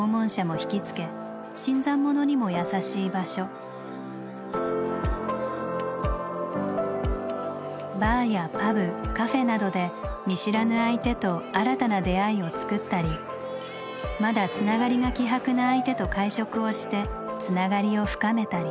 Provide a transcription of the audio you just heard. レイ・オルデンバーグによるとバーやパブカフェなどで見知らぬ相手と新たな出会いを作ったりまだつながりが希薄な相手と会食をしてつながりを深めたり。